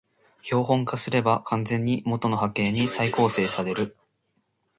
標本化すれば完全に元の波形に再構成される